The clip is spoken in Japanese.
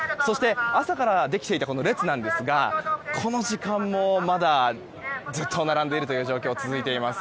朝からできていた列ですがこの時間もまだずっと並んでいる状況、続いています。